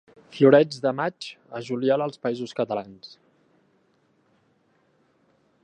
Floreix de maig a juliol als Països Catalans.